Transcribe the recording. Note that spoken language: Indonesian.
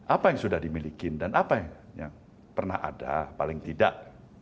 apa yang sudah dimiliki dan apa yang pernah ada paling tidak